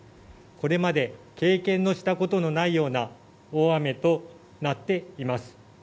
これまで経験のしたことのないような大雨となっています。